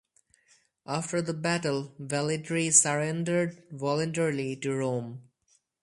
After the battle, Velitrae surrendered voluntarily to Rome.